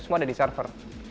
semua ada di server